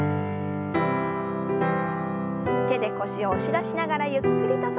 手で腰を押し出しながらゆっくりと反らせます。